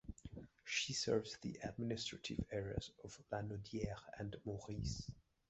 She serves the administrative areas of Lanaudière and Mauricie.